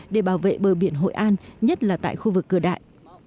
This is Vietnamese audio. để bảo vệ bờ biển hội an nhất là tại khu vực cửa đại